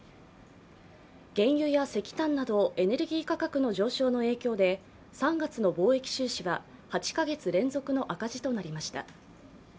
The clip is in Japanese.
原油や石炭などエネルギー価格の上昇の影響で３月の貿易収支は８カ月連続の赤字となりました。